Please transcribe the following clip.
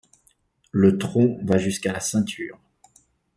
Le tronc va jusqu'à la ceinture.